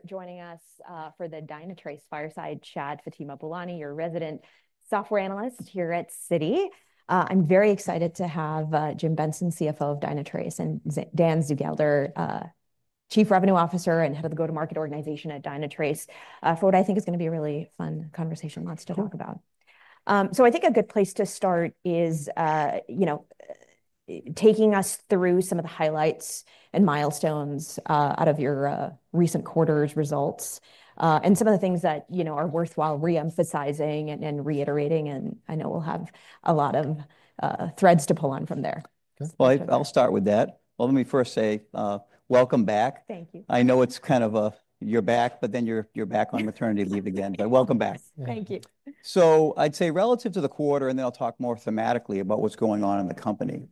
... for joining us for the Dynatrace Fireside Chat. Fatima Boolani, your resident software analyst here at Citi. I'm very excited to have Jim Benson, CFO of Dynatrace, and Dan Zugelder, Chief Revenue Officer and Head of the Go-to-Market Organization at Dynatrace, for what I think is going to be a really fun conversation lots to talk about. Sure. So I think a good place to start is, you know, taking us through some of the highlights and milestones out of your recent quarter's results, and some of the things that, you know, are worthwhile re-emphasizing and, and reiterating, and I know we'll have a lot of threads to pull on from there. I'll start with that. Let me first say welcome back. Thank you. I know it's kind of a you're back, but then you're, you're back on maternity leave again. But welcome back. Thank you. I'd say relative to the quarter, and then I'll talk more thematically about what's going on in the company.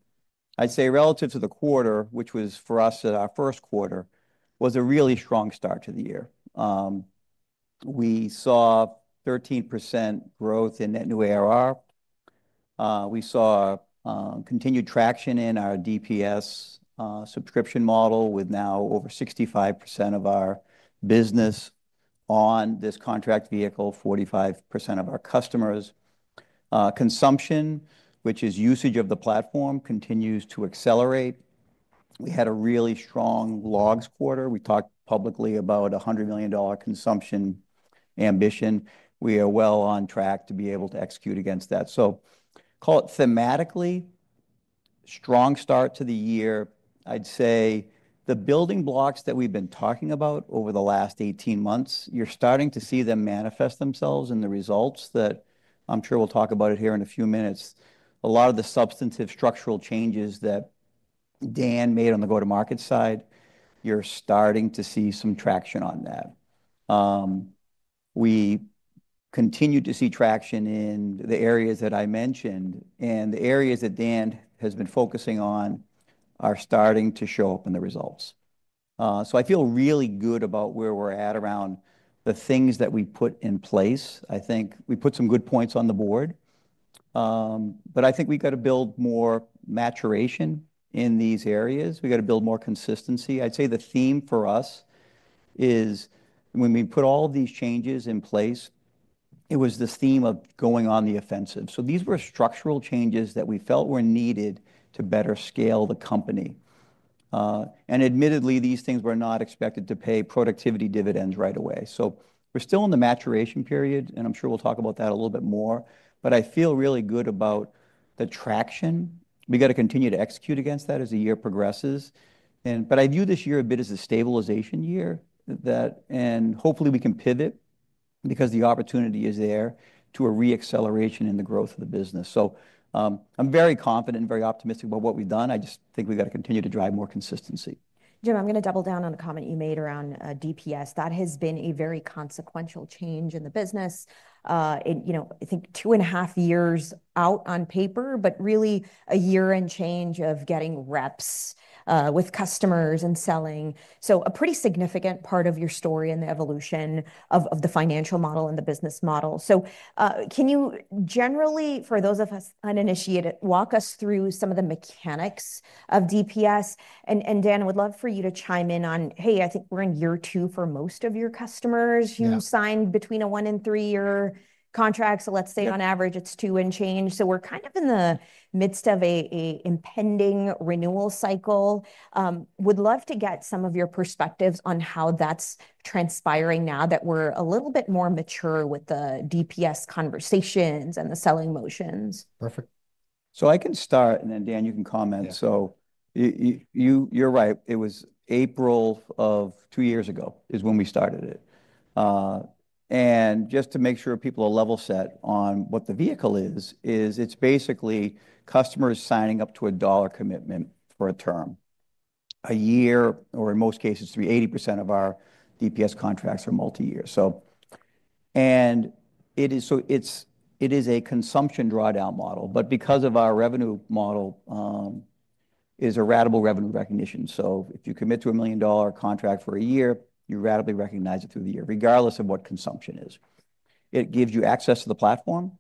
I'd say relative to the quarter, which was for us our first quarter, was a really strong start to the year. We saw 13% growth in net new ARR. We saw continued traction in our DPS subscription model, with now over 65% of our business on this contract vehicle, 45% of our customers. Consumption, which is usage of the platform, continues to accelerate. We had a really strong logs quarter. We talked publicly about a $100 million consumption ambition. We are well on track to be able to execute against that. Call it thematically strong start to the year. I'd say the building blocks that we've been talking about over the last 18 months, you're starting to see them manifest themselves in the results that I'm sure we'll talk about it here in a few minutes. A lot of the substantive structural changes that Dan made on the go-to-market side, you're starting to see some traction on that. We continue to see traction in the areas that I mentioned, and the areas that Dan has been focusing on are starting to show up in the results. So I feel really good about where we're at around the things that we put in place. I think we put some good points on the board, but I think we've got to build more maturation in these areas. We've got to build more consistency. I'd say the theme for us is, when we put all of these changes in place, it was this theme of going on the offensive, so these were structural changes that we felt were needed to better scale the company, and admittedly, these things were not expected to pay productivity dividends right away, so we're still in the maturation period, and I'm sure we'll talk about that a little bit more, but I feel really good about the traction. We got to continue to execute against that as the year progresses, but I view this year a bit as a stabilization year, and hopefully, we can pivot because the opportunity is there, to a re-acceleration in the growth of the business, so I'm very confident and very optimistic about what we've done. I just think we've got to continue to drive more consistency. Jim, I'm going to double down on a comment you made around DPS. That has been a very consequential change in the business. It, you know, I think two and a half years out on paper, but really a year and change of getting reps with customers and selling. So a pretty significant part of your story and the evolution of the financial model and the business model. So can you generally, for those of us uninitiated, walk us through some of the mechanics of DPS? And Dan, I would love for you to chime in on-- Hey, I think we're in year two for most of your customers. Yeah. Who signed between a one and three-year contract. Yep. So let's say on average, it's two and change. So we're kind of in the midst of an impending renewal cycle. Would love to get some of your perspectives on how that's transpiring now that we're a little bit more mature with the DPS conversations and the selling motions. Perfect. So I can start, and then, Dan, you can comment. Yeah. So you, you're right. It was April of two years ago, is when we started it. And just to make sure people are level set on what the vehicle is, it's basically customers signing up to a dollar commitment for a term, a year, or in most cases, three, 80% of our DPS contracts are multi-year. So it's a consumption drawdown model, but because of our revenue model is a ratable revenue recognition. So if you commit to a $1 million contract for a year, you ratably recognize it through the year, regardless of what consumption is. It gives you access to the platform,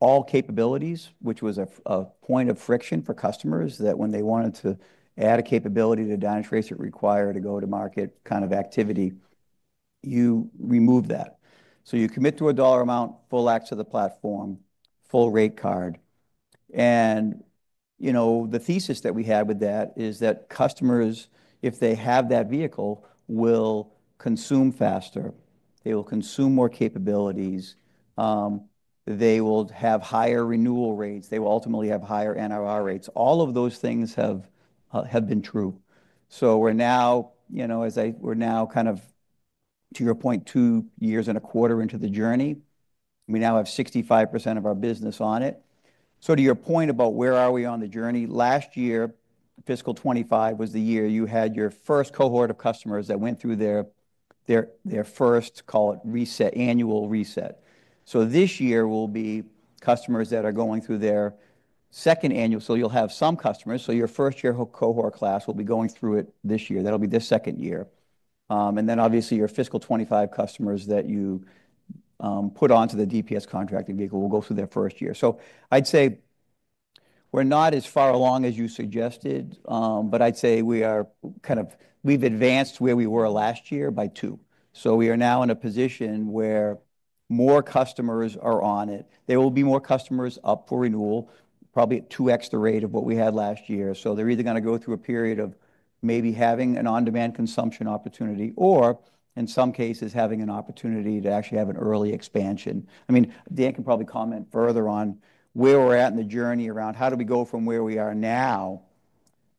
all capabilities, which was a point of friction for customers, that when they wanted to add a capability to Dynatrace, it required a go-to-market kind of activity. You remove that. So you commit to a dollar amount, full access to the platform, full rate card. And, you know, the thesis that we had with that is that customers, if they have that vehicle, will consume faster, they will consume more capabilities, they will have higher renewal rates, they will ultimately have higher NRR rates. All of those things have been true. So we're now, you know, kind of, to your point, two years and a quarter into the journey. We now have 65% of our business on it. So to your point about where are we on the journey, last year, fiscal 2025, was the year you had your first cohort of customers that went through their first, call it reset, annual reset. So this year will be customers that are going through their second annual. So you'll have some customers, so your first-year cohort class will be going through it this year. That'll be their second year. And then, obviously, your fiscal 2025 customers that you put onto the DPS contracting vehicle will go through their first year. So I'd say. We're not as far along as you suggested, but I'd say we are kind of. We've advanced where we were last year by two. So we are now in a position where more customers are on it. There will be more customers up for renewal, probably at 2X the rate of what we had last year, so they're either gonna go through a period of maybe having an on-demand consumption opportunity, or in some cases, having an opportunity to actually have an early expansion. I mean, Dan can probably comment further on where we're at in the journey around how do we go from where we are now,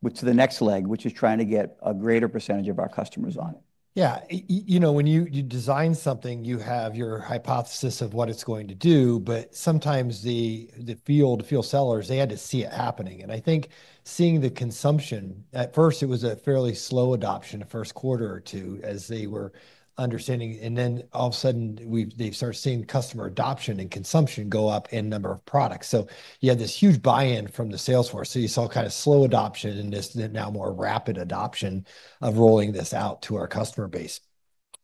which to the next leg, which is trying to get a greater percentage of our customers on it. Yeah. You know, when you design something, you have your hypothesis of what it's going to do, but sometimes the field sellers, they had to see it happening. And I think seeing the consumption, at first, it was a fairly slow adoption, the first quarter or two, as they were understanding, and then all of a sudden, they started seeing customer adoption and consumption go up in number of products. So you had this huge buy-in from the sales force. So you saw kind of slow adoption, and this now more rapid adoption of rolling this out to our customer base.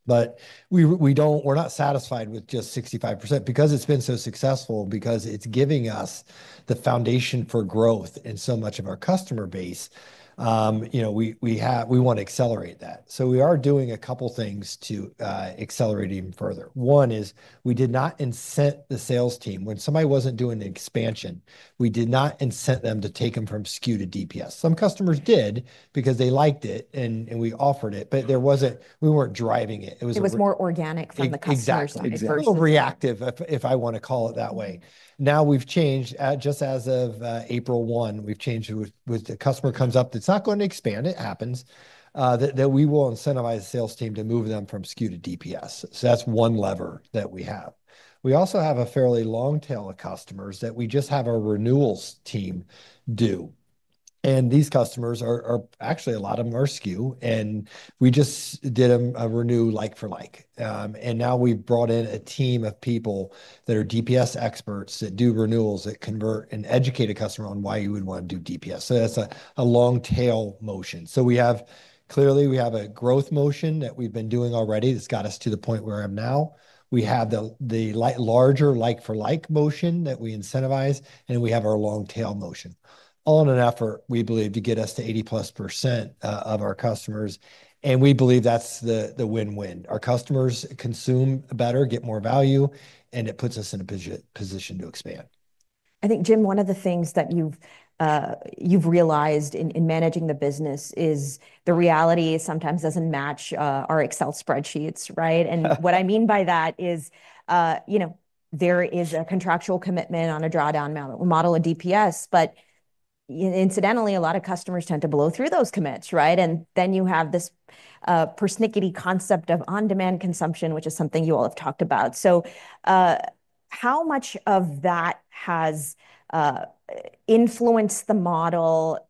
But we don't. We're not satisfied with just 65%, because it's been so successful, because it's giving us the foundation for growth in so much of our customer base. You know, we want to accelerate that. So we are doing a couple things to accelerate even further. One is, we did not incent the sales team. When somebody wasn't doing the expansion, we did not incent them to take them from SKU to DPS. Some customers did because they liked it, and we offered it, but there wasn't—we weren't driving it. It was- It was more organic from the customer side. Exactly. Versus- A little reactive, if I want to call it that way. Now we've changed, just as of April 1, we've changed it with the customer comes up, that's not going to expand, it happens, that we will incentivize the sales team to move them from SKU to DPS. So that's one lever that we have. We also have a fairly long tail of customers that we just have our renewals team do, and these customers are actually, a lot of them are SKU, and we just did a renew like for like. And now we've brought in a team of people that are DPS experts, that do renewals, that convert and educate a customer on why you would want to do DPS. So that's a long tail motion. So we have clearly, we have a growth motion that we've been doing already that's got us to the point where I am now. We have the larger like-for-like motion that we incentivize, and we have our long tail motion, all in an effort, we believe, to get us to 80 plus % of our customers, and we believe that's the win-win. Our customers consume better, get more value, and it puts us in a position to expand. I think, Jim, one of the things that you've realized in managing the business is the reality sometimes doesn't match our Excel spreadsheets, right? And what I mean by that is, you know, there is a contractual commitment on a drawdown model in DPS, but incidentally, a lot of customers tend to blow through those commits, right? And then you have this persnickety concept of on-demand consumption, which is something you all have talked about. So, how much of that has influenced the model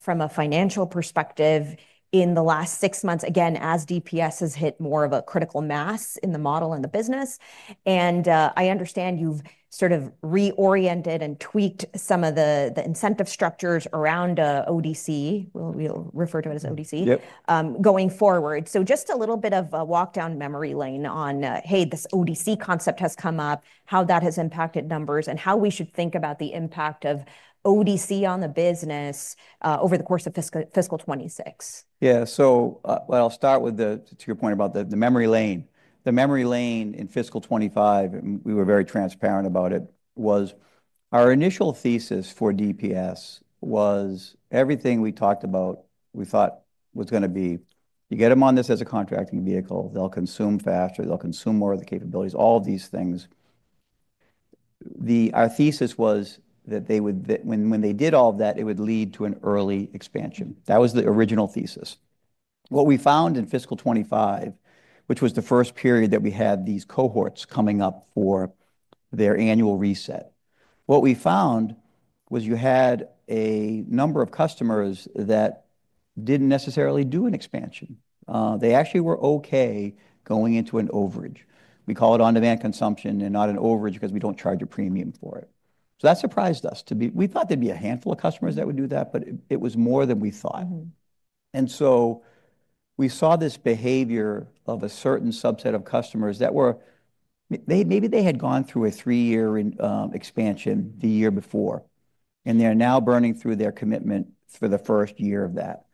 from a financial perspective in the last six months, again, as DPS has hit more of a critical mass in the model and the business? And I understand you've sort of reoriented and tweaked some of the incentive structures around ODC, we'll refer to it as ODC. Yep... going forward. So just a little bit of a walk down memory lane on, hey, this ODC concept has come up, how that has impacted numbers, and how we should think about the impact of ODC on the business over the course of fiscal 2026. Yeah. So, well, I'll start with the, to your point about the memory lane. The memory lane in fiscal 2025, and we were very transparent about it, was our initial thesis for DPS was everything we talked about, we thought was gonna be: You get them on this as a contracting vehicle, they'll consume faster, they'll consume more of the capabilities, all of these things. The, our thesis was that they would, that when they did all of that, it would lead to an early expansion. That was the original thesis. What we found in fiscal 2025, which was the first period that we had these cohorts coming up for their annual reset, what we found was you had a number of customers that didn't necessarily do an expansion. They actually were okay going into an overage. We call it on-demand consumption and not an overage, because we don't charge a premium for it. So that surprised us, to be, we thought there'd be a handful of customers that would do that, but it was more than we thought. Mm-hmm. And so we saw this behavior of a certain subset of customers that were maybe they had gone through a three-year expansion the year before, and they're now burning through their commitment for the first year of that.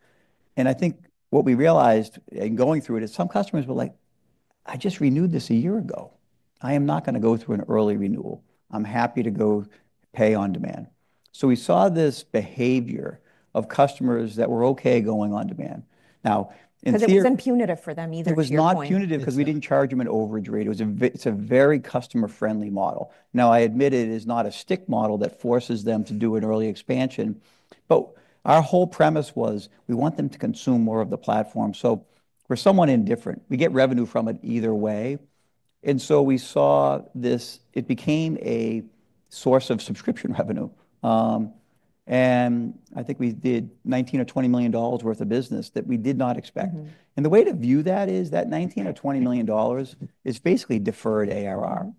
And I think what we realized in going through it is some customers were like: "I just renewed this a year ago. I am not gonna go through an early renewal. I'm happy to go pay on demand." So we saw this behavior of customers that were okay going on demand. Now, in theory- Because it was imprudent for them, either, to your point. It was not punitive because we didn't charge them an overage rate. It was a very customer-friendly model. Now, I admit it is not a stick model that forces them to do an early expansion, but our whole premise was, we want them to consume more of the platform. So we're somewhat indifferent. We get revenue from it either way, and so we saw this. It became a source of subscription revenue. And I think we did $19 million-$20 million worth of business that we did not expect. Mm-hmm. And the way to view that is, that $19 million-$20 million is basically deferred ARR.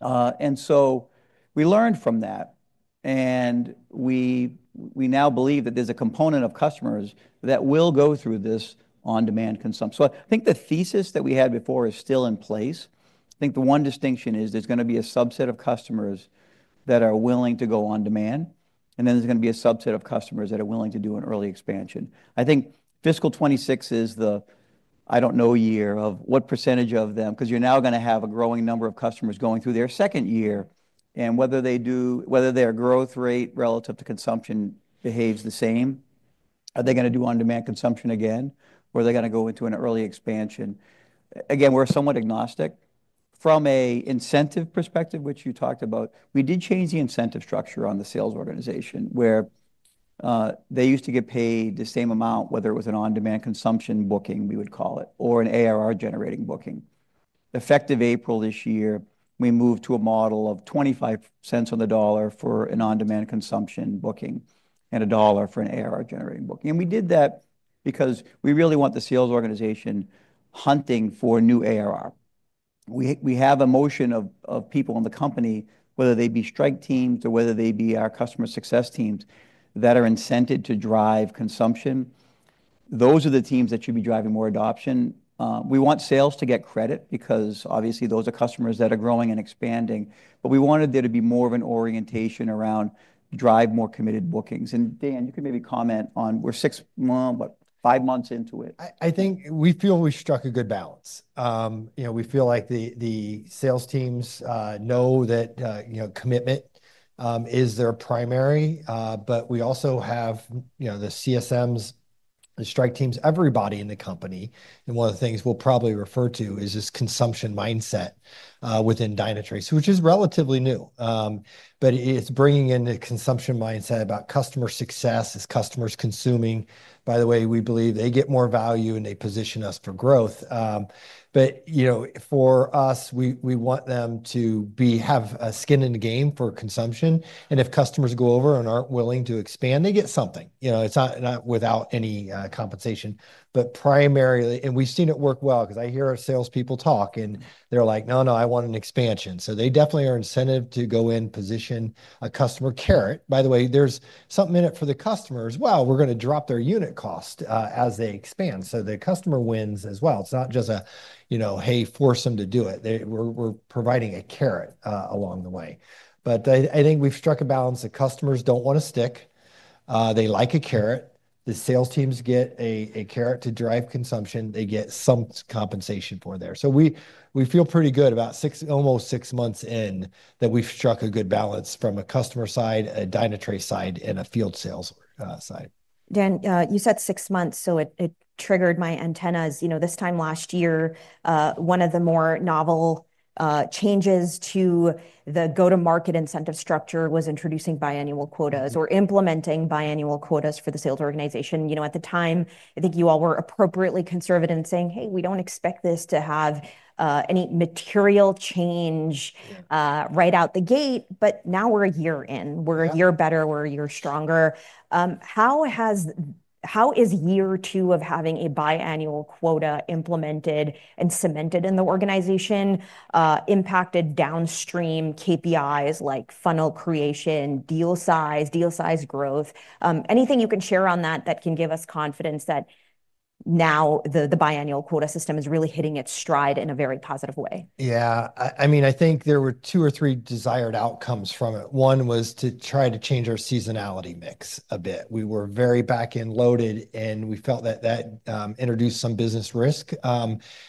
And so we learned from that, and we now believe that there's a component of customers that will go through this on-demand consumption. So I think the thesis that we had before is still in place. I think the one distinction is there's gonna be a subset of customers that are willing to go on demand, and then there's gonna be a subset of customers that are willing to do an early expansion. I think fiscal 2026 is the I don't know year of what percentage of them, 'cause you're now gonna have a growing number of customers going through their second year, and whether their growth rate relative to consumption behaves the same. Are they gonna do on-demand consumption again, or are they gonna go into an early expansion? Again, we're somewhat agnostic. From a incentive perspective, which you talked about, we did change the incentive structure on the sales organization, where they used to get paid the same amount, whether it was an on-demand consumption booking, we would call it, or an ARR-generating booking. Effective April this year, we moved to a model of 25 cents on the dollar for an on-demand consumption booking and a dollar for an ARR-generating booking, and we did that because we really want the sales organization hunting for new ARR. We have a motion of people in the company, whether they be strike teams or whether they be our customer success teams, that are incented to drive consumption. Those are the teams that should be driving more adoption. We want sales to get credit because obviously, those are customers that are growing and expanding, but we wanted there to be more of an orientation around drive more committed bookings. And Dan, you can maybe comment on we're about five months into it. I think we feel we've struck a good balance. You know, we feel like the sales teams know that, you know, commitment is their primary. But we also have, you know, the CSMs, the strike teams, everybody in the company, and one of the things we'll probably refer to is this consumption mindset within Dynatrace, which is relatively new. But it's bringing in the consumption mindset about customer success as customers consuming. By the way, we believe they get more value, and they position us for growth. But, you know, for us, we want them to have a skin in the game for consumption, and if customers go over and aren't willing to expand, they get something. You know, it's not without any compensation, but primarily... We've seen it work well 'cause I hear our salespeople talk, and they're like, "No, no, I want an expansion." So they definitely are incented to go in, position a customer carrot. By the way, there's something in it for the customer as well. We're gonna drop their unit cost as they expand, so the customer wins as well. It's not just a, you know, "Hey, force them to do it." We're providing a carrot along the way. But I think we've struck a balance that customers don't want to stick. They like a carrot. The sales teams get a carrot to drive consumption. They get some compensation for there. So we feel pretty good about six, almost six months in, that we've struck a good balance from a customer side, a Dynatrace side, and a field sales side. Dan, you said six months, so it triggered my antennas. You know, this time last year, one of the more novel changes to the go-to-market incentive structure was introducing biannual quotas or implementing biannual quotas for the sales organization. You know, at the time, I think you all were appropriately conservative in saying: "Hey, we don't expect this to have any material change- Yeah.... right out the gate," but now we're a year in. Yeah. We're a year better, we're a year stronger. How is year two of having a biannual quota implemented and cemented in the organization impacted downstream KPIs, like funnel creation, deal size, deal size growth? Anything you can share on that that can give us confidence that now the biannual quota system is really hitting its stride in a very positive way? Yeah. I mean, I think there were two or three desired outcomes from it. One was to try to change our seasonality mix a bit. We were very back-end loaded, and we felt that that introduced some business risk,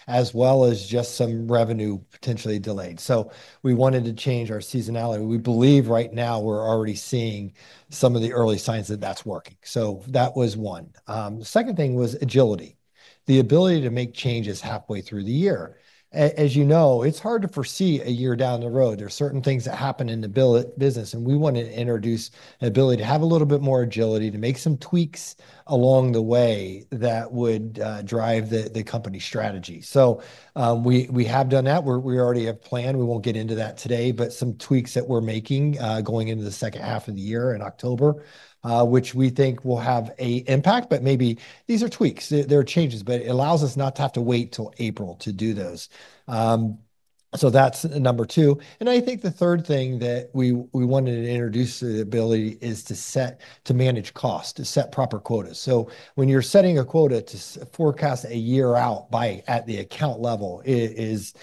as well as just some revenue potentially delayed, so we wanted to change our seasonality. We believe right now we're already seeing some of the early signs that that's working, so that was one. The second thing was agility, the ability to make changes halfway through the year. As you know, it's hard to foresee a year down the road. There are certain things that happen in the business, and we want to introduce the ability to have a little bit more agility, to make some tweaks along the way that would drive the company strategy, so we have done that. We already have planned. We won't get into that today, but some tweaks that we're making going into the second half of the year in October, which we think will have an impact, but maybe these are tweaks. They are changes, but it allows us not to have to wait till April to do those. So that's number two, and I think the third thing that we wanted to introduce the ability to manage cost, to set proper quotas, so when you're setting a quota to forecast a year out at the account level, it is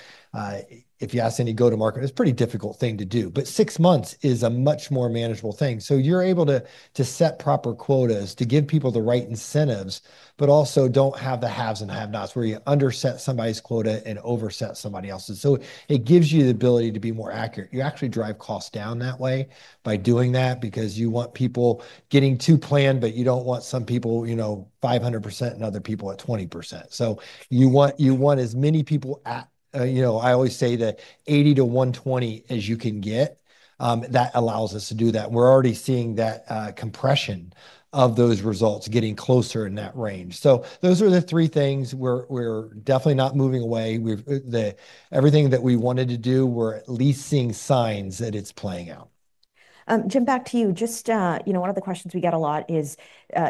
if you ask any go-to-market, it's a pretty difficult thing to do, but six months is a much more manageable thing. So you're able to set proper quotas, to give people the right incentives, but also don't have the haves and have-nots, where you underset somebody's quota and overset somebody else's. So it gives you the ability to be more accurate. You actually drive costs down that way by doing that because you want people getting to plan, but you don't want some people, you know, 500% and other people at 20%. So you want, you want as many people at, you know, I always say the 80%-120% as you can get. That allows us to do that. We're already seeing that compression of those results getting closer in that range. So those are the three things. We're definitely not moving away. Everything that we wanted to do, we're at least seeing signs that it's playing out. Jim, back to you. Just, you know, one of the questions we get a lot is,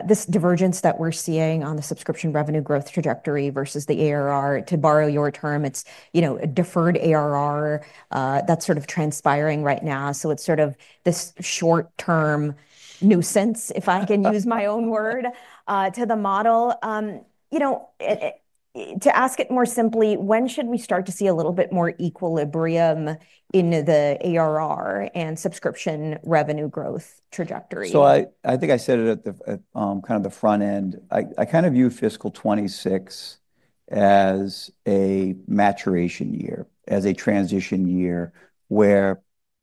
this divergence that we're seeing on the subscription revenue growth trajectory versus the ARR, to borrow your term, it's, you know, a deferred ARR, that's sort of transpiring right now. So it's sort of this short-term nuisance, if I can use my own word, to the model. You know, To ask it more simply, when should we start to see a little bit more equilibrium in the ARR and subscription revenue growth trajectory? So I think I said it at the front end. I kind of view fiscal 2026 as a maturation year, as a transition year, where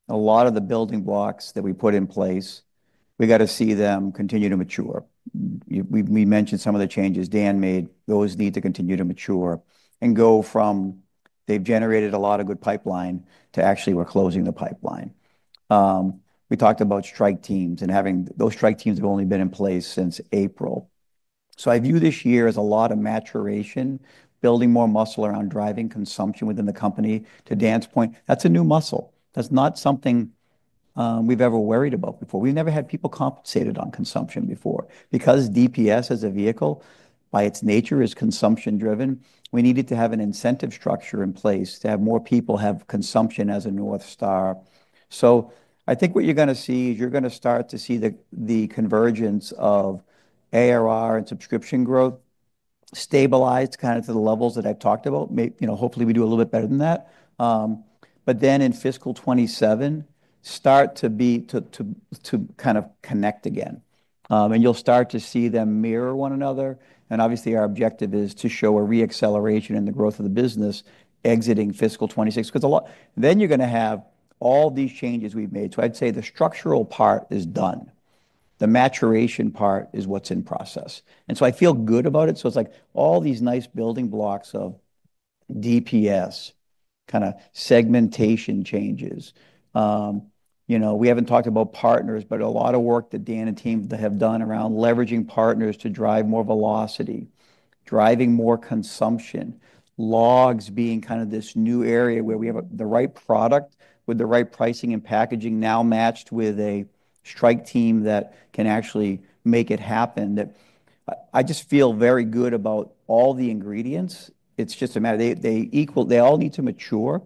a lot of the building blocks that we put in place we got to see them continue to mature. We mentioned some of the changes Dan made, those need to continue to mature and go from they've generated a lot of good pipeline to actually we're closing the pipeline. We talked about strike teams and those strike teams have only been in place since April, so I view this year as a lot of maturation, building more muscle around driving consumption within the company. To Dan's point, that's a new muscle. That's not something we've ever worried about before. We've never had people compensated on consumption before, because DPS as a vehicle, by its nature, is consumption-driven. We needed to have an incentive structure in place to have more people have consumption as a North Star. So I think what you're going to see is you're going to start to see the convergence of ARR and subscription growth stabilize kind of to the levels that I've talked about. You know, hopefully, we do a little bit better than that. But then in fiscal 2027, start to kind of connect again. And you'll start to see them mirror one another, and obviously, our objective is to show a re-acceleration in the growth of the business exiting fiscal 2026. 'Cause a lot. Then you're going to have all these changes we've made. So I'd say the structural part is done. The maturation part is what's in process, and so I feel good about it. So it's like all these nice building blocks of DPS, kind of segmentation changes. You know, we haven't talked about partners, but a lot of work that Dan and team have done around leveraging partners to drive more velocity, driving more consumption, logs being kind of this new area where we have the right product with the right pricing and packaging, now matched with a strike team that can actually make it happen, that. I just feel very good about all the ingredients. It's just a matter. They all need to mature,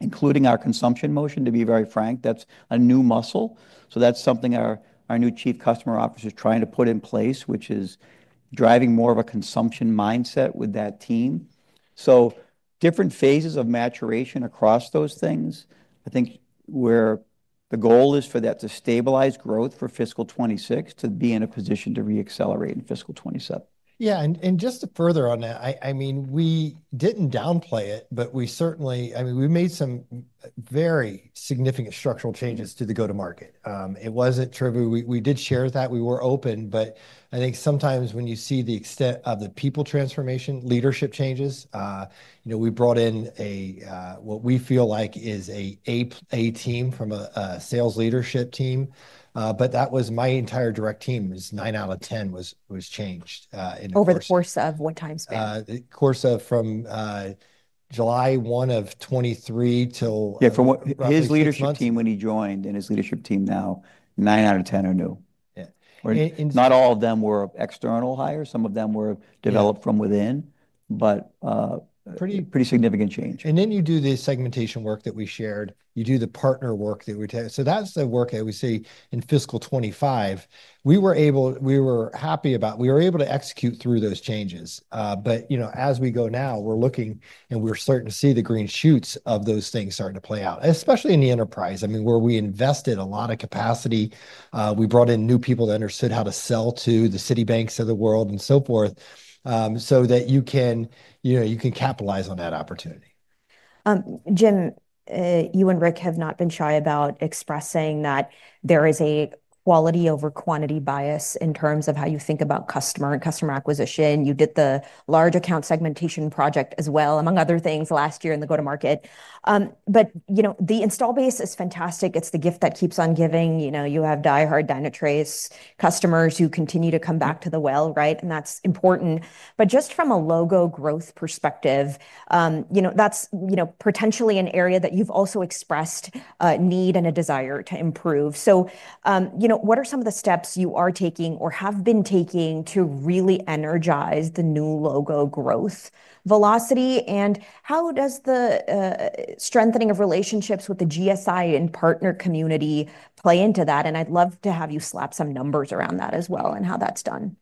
including our consumption motion, to be very frank. That's a new muscle, so that's something our new Chief Customer Officer is trying to put in place, which is driving more of a consumption mindset with that team. So different phases of maturation across those things, I think where the goal is for that to stabilize growth for fiscal 2026, to be in a position to re-accelerate in fiscal 2027. Yeah, and just to further on that, I mean, we didn't downplay it, but we certainly- I mean, we made some very significant structural changes- Mm... to the go-to-market. It wasn't trivial. We did share that we were open, but I think sometimes when you see the extent of the people transformation, leadership changes, you know, we brought in what we feel like is a team from a sales leadership team. But that was my entire direct team, nine out of 10 was changed, Over the course of what time span? The course of from July 1 of 2023 till- Yeah, from what- Roughly six months. His leadership team when he joined, and his leadership team now, nine out of 10 are new. Yeah. Not all of them were external hires, some of them were- Yeah... developed from within, but. Pretty- Pretty significant change. And then you do the segmentation work that we shared. You do the partner work that we tell you. So that's the work that we see in fiscal 2025. We were happy about being able to execute through those changes. But you know, as we go now, we're looking, and we're starting to see the green shoots of those things starting to play out, especially in the enterprise. I mean, where we invested a lot of capacity, we brought in new people that understood how to sell to the Citibanks of the world, and so forth, so that you can, you know, you can capitalize on that opportunity. Jim, you and Rick have not been shy about expressing that there is a quality over quantity bias in terms of how you think about customer and customer acquisition. You did the large account segmentation project as well, among other things, last year in the go-to-market. But, you know, the install base is fantastic. It's the gift that keeps on giving. You know, you have diehard Dynatrace customers who continue to come back to the well, right? And that's important. But just from a logo growth perspective, you know, that's, you know, potentially an area that you've also expressed need and a desire to improve. So, you know, what are some of the steps you are taking or have been taking to really energize the new logo growth velocity? How does the strengthening of relationships with the GSI and partner community play into that? And I'd love to have you slap some numbers around that as well, and how that's done.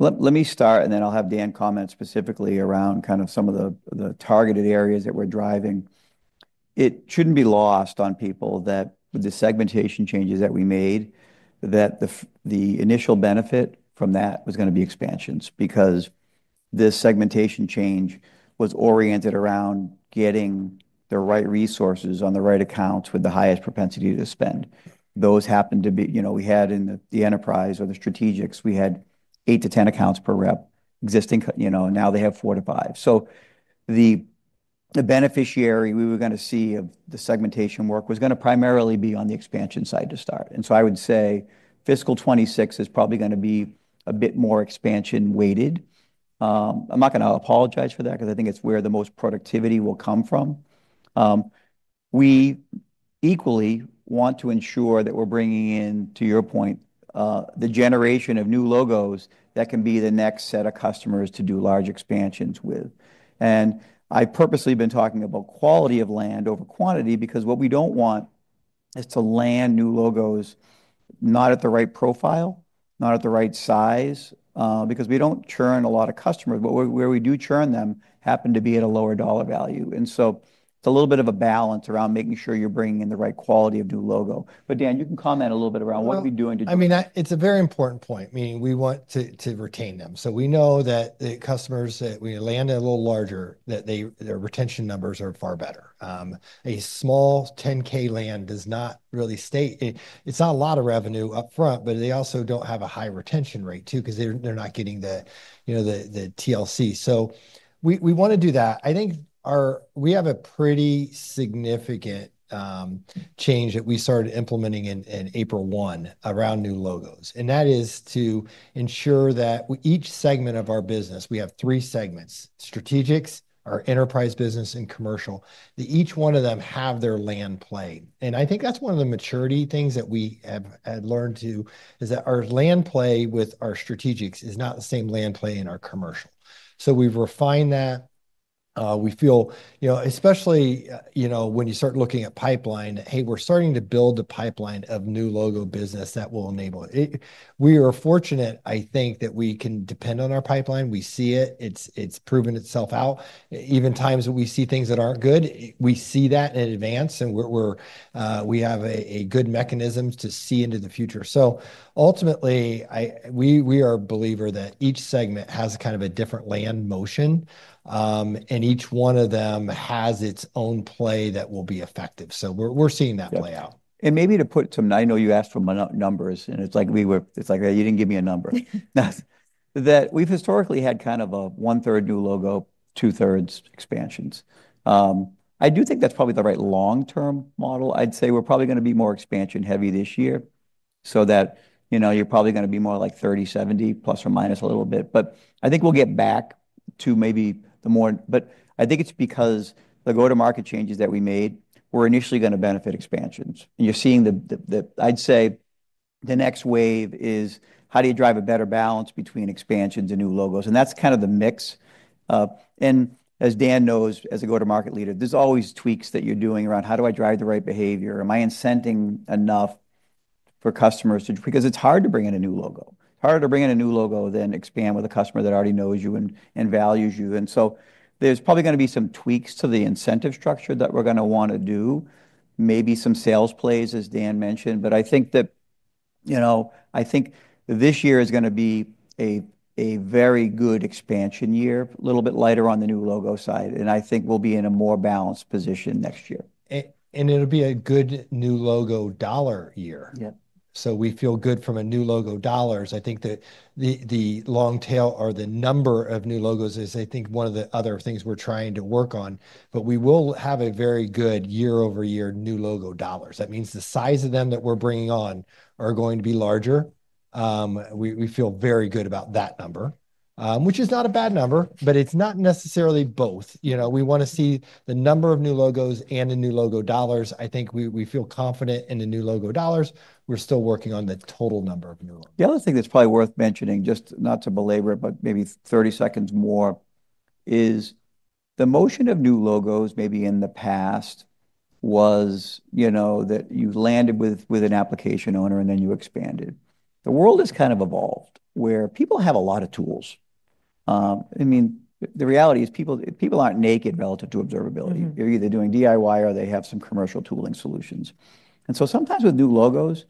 Let me start, and then I'll have Dan comment specifically around kind of some of the targeted areas that we're driving. It shouldn't be lost on people that the segmentation changes that we made, that the initial benefit from that was going to be expansions. Because this segmentation change was oriented around getting the right resources on the right accounts with the highest propensity to spend. Those happened to be... You know, we had in the enterprise or the strategics, we had eight to 10 accounts per rep, existing you know, now they have four to five. So the beneficiary we were going to see of the segmentation work was going to primarily be on the expansion side to start. And so I would say fiscal 2026 is probably going to be a bit more expansion-weighted. I'm not going to apologize for that, because I think it's where the most productivity will come from. We equally want to ensure that we're bringing in, to your point, the generation of new logos that can be the next set of customers to do large expansions with. And I've purposely been talking about quality of land over quantity, because what we don't want is to land new logos, not at the right profile, not at the right size, because we don't churn a lot of customers, but where we do churn them happen to be at a lower dollar value. And so it's a little bit of a balance around making sure you're bringing in the right quality of new logo. But Dan, you can comment a little bit around what are we doing to- I mean, it's a very important point, meaning we want to retain them. So we know that the customers that we land are a little larger, that their retention numbers are far better. A small 10K land does not really stay. It, it's not a lot of revenue upfront, but they also don't have a high retention rate, too, 'cause they're not getting the, you know, the TLC. So we wanna do that. I think our. We have a pretty significant change that we started implementing in April 1 around new logos, and that is to ensure that each segment of our business, we have three segments: strategics, our enterprise business, and commercial. That each one of them have their land play. I think that's one of the maturity things that we have learned to is that our land play with our strategics is not the same land play in our commercial. We've refined that. We feel, you know, especially, you know, when you start looking at pipeline, "Hey, we're starting to build a pipeline of new logo business that will enable it." We are fortunate, I think, that we can depend on our pipeline. We see it. It's proven itself out. Even times when we see things that aren't good, we see that in advance, and we have a good mechanism to see into the future. Ultimately, we are a believer that each segment has kind of a different land motion, and each one of them has its own play that will be effective. So we're seeing that play out. Yeah. And maybe to put some numbers, I know you asked for my numbers, and it's like, "You didn't give me a number." That we've historically had kind of a one-third new logo, two-thirds expansions. I do think that's probably the right long-term model. I'd say we're probably gonna be more expansion-heavy this year, so that, you know, you're probably gonna be more like 30/70, plus or minus a little bit. But I think we'll get back to maybe the more. But I think it's because the go-to-market changes that we made were initially gonna benefit expansions, and you're seeing the. I'd say, the next wave is, how do you drive a better balance between expansions and new logos? And that's kind of the mix. And as Dan knows, as a go-to-market leader, there's always tweaks that you're doing around, "How do I drive the right behavior? Am I incenting enough for customers to..." Because it's hard to bring in a new logo. It's harder to bring in a new logo than expand with a customer that already knows you and values you. And so there's probably gonna be some tweaks to the incentive structure that we're gonna wanna do, maybe some sales plays, as Dan mentioned, but I think that, you know, I think this year is gonna be a very good expansion year, a little bit lighter on the new logo side, and I think we'll be in a more balanced position next year. and it'll be a good new logo dollar year. Yeah. So we feel good from a new logo dollars. I think that the long tail or the number of new logos is, I think, one of the other things we're trying to work on, but we will have a very good year-over-year new logo dollars. That means the size of them that we're bringing on are going to be larger. We feel very good about that number, which is not a bad number, but it's not necessarily both. You know, we wanna see the number of new logos and the new logo dollars. I think we feel confident in the new logo dollars. We're still working on the total number of new logos. The other thing that's probably worth mentioning, just not to belabor it, but maybe 30 seconds more, is the motion of new logos maybe in the past was, you know, that you landed with an application owner, and then you expanded. The world has kind of evolved where people have a lot of tools. I mean, the reality is people aren't naked relative to observability. Mm-hmm. They're either doing DIY or they have some commercial tooling solutions and so sometimes with new logos,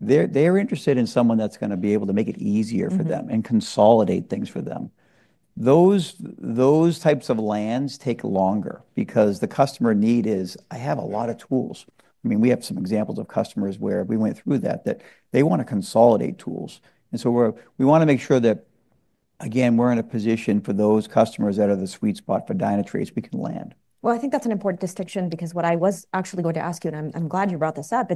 they're interested in someone that's gonna be able to make it easier for them- Mm-hmm... and consolidate things for them. Those types of lands take longer because the customer need is: I have a lot of tools. I mean, we have some examples of customers where we went through that they wanna consolidate tools, and so we wanna make sure that, again, we're in a position for those customers that are the sweet spot for Dynatrace we can land. Well, I think that's an important distinction because what I was actually going to ask you, and I'm glad you brought this up,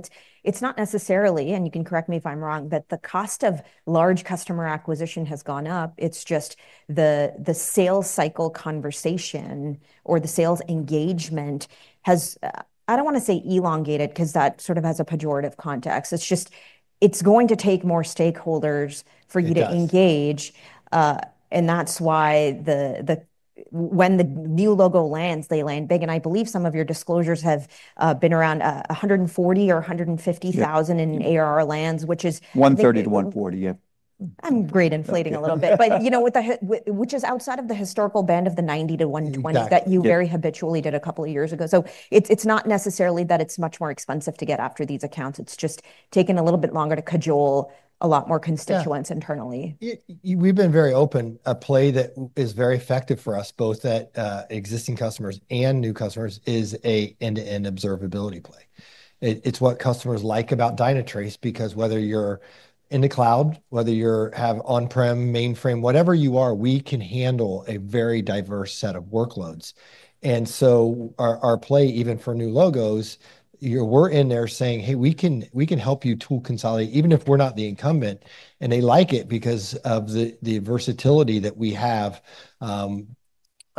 it's not necessarily, and you can correct me if I'm wrong, but the cost of large customer acquisition has gone up. It's just the sales cycle conversation or the sales engagement has, I don't wanna say elongated, 'cause that sort of has a pejorative context. It's just going to take more stakeholders for you- It does... to engage, and that's why when the new logos land, they land big. And I believe some of your disclosures have been around 140 or 150,000- Yeah... in ARR lands, which is- 130-140, yeah. I'm great. Inflation a little bit. But you know, with the which is outside of the historical band of the 90-120- Yeah. Yeah... that you very habitually did a couple of years ago. So it's not necessarily that it's much more expensive to get after these accounts, it's just taking a little bit longer to cajole a lot more constituents- Yeah... internally. We've been very open. A play that is very effective for us, both at existing customers and new customers, is an end-to-end observability play. It, it's what customers like about Dynatrace because whether you're in the cloud, whether you have on-prem, mainframe, whatever you are, we can handle a very diverse set of workloads. And so our, our play, even for new logos, we're in there saying, "Hey, we can, we can help you tool consolidate, even if we're not the incumbent." And they like it because of the, the versatility that we have,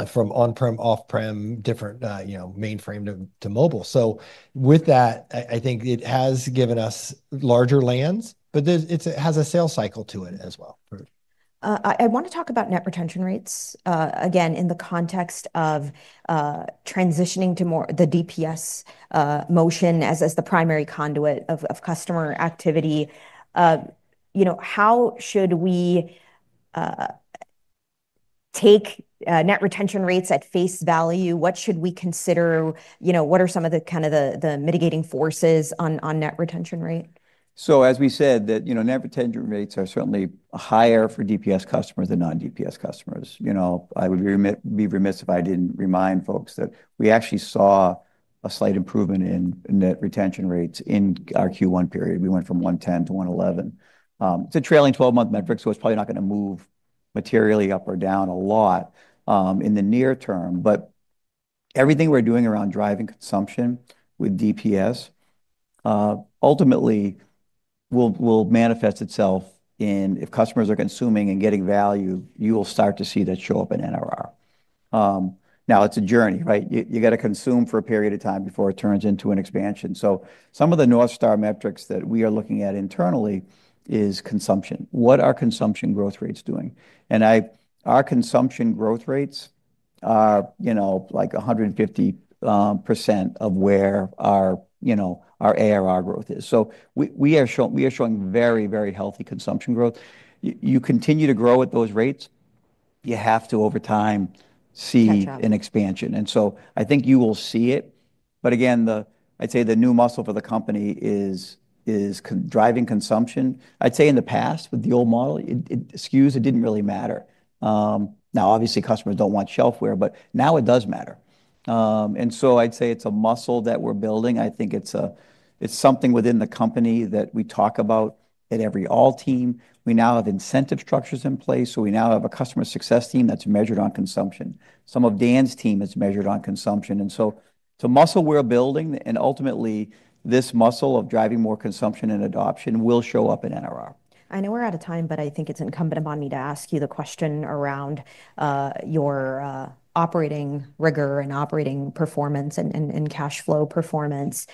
from on-prem, off-prem, different, you know, mainframe to, to mobile. So with that, I, I think it has given us larger lands, but it's has a sales cycle to it as well.... I wanna talk about net retention rates again, in the context of transitioning to the DPS motion as the primary conduit of customer activity. You know, how should we take net retention rates at face value? What should we consider, you know, what are some of the kind of mitigating forces on net retention rate? So as we said, that, you know, net retention rates are certainly higher for DPS customers than non-DPS customers. You know, I would be remiss if I didn't remind folks that we actually saw a slight improvement in net retention rates in our Q1 period. We went from 110 to 111. It's a trailing 12-month metric, so it's probably not gonna move materially up or down a lot in the near term. But everything we're doing around driving consumption with DPS ultimately will manifest itself in if customers are consuming and getting value, you will start to see that show up in NRR. Now it's a journey, right? You got to consume for a period of time before it turns into an expansion. So some of the North Star metrics that we are looking at internally is consumption. What are consumption growth rates doing? And our consumption growth rates are, you know, like 150% of where our, you know, our ARR growth is. So we are showing very, very healthy consumption growth. You continue to grow at those rates, you have to, over time, see- Catch up... an expansion, and so I think you will see it, but again, I'd say the new muscle for the company is driving consumption. I'd say in the past, with the old model, SKUs, it didn't really matter. Now, obviously, customers don't want shelfware, but now it does matter, and so I'd say it's a muscle that we're building. I think it's something within the company that we talk about at every all-hands. We now have incentive structures in place, so we now have a customer success team that's measured on consumption. Some of Dan's team is measured on consumption, and so it's a muscle we're building, and ultimately, this muscle of driving more consumption and adoption will show up in NRR. I know we're out of time, but I think it's incumbent upon me to ask you the question around your operating rigor, and operating performance, and cash flow performance.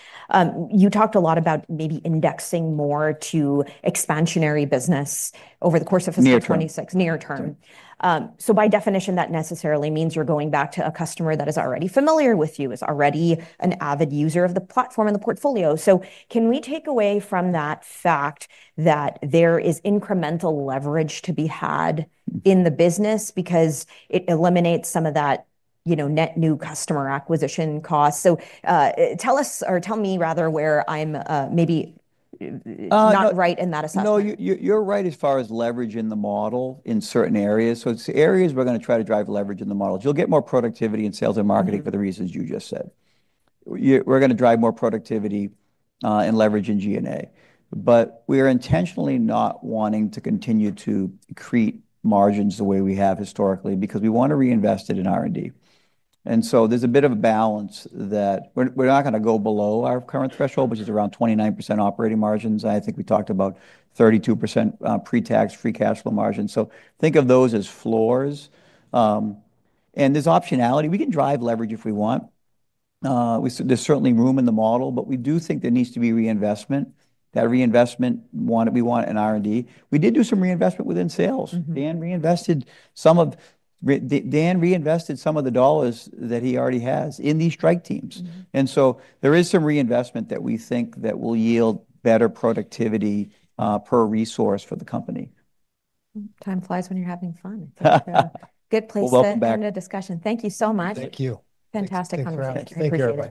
You talked a lot about maybe indexing more to expansionary business over the course of- Near term... fiscal 2026. Near term. Sure. So by definition, that necessarily means you're going back to a customer that is already familiar with you, is already an avid user of the platform and the portfolio. So can we take away from that fact that there is incremental leverage to be had in the business because it eliminates some of that, you know, net new customer acquisition cost? So, tell us, or tell me rather, where I'm, maybe- Uh... not right in that assessment. No, you're, you're right as far as leverage in the model in certain areas. So it's areas we're gonna try to drive leverage in the models. You'll get more productivity in sales and marketing for the reasons you just said. We're gonna drive more productivity and leverage in G&A, but we are intentionally not wanting to continue to create margins the way we have historically, because we want to reinvest it in R&D. And so there's a bit of a balance that... We're, we're not gonna go below our current threshold, which is around 29% operating margins. I think we talked about 32% pre-tax, free cash flow margins. So think of those as floors. And there's optionality. We can drive leverage if we want. There's certainly room in the model, but we do think there needs to be reinvestment. That reinvestment we want in R&D. We did do some reinvestment within sales. Mm-hmm. Dan reinvested some of the dollars that he already has in these strike teams. Mm-hmm. And so there is some reinvestment that we think that will yield better productivity, per resource for the company. Time flies when you're having fun. Good place to- Welcome back.... end the discussion. Thank you so much. Thank you. Fantastic conversation. Thanks very much. Take care, bye.